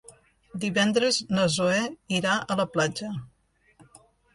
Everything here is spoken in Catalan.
Divendres na Zoè irà a la platja.